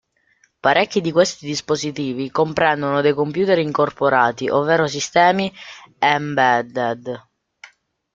Parecchi di questi dispositivi comprendono dei computer incorporati ovvero "sistemi embedded".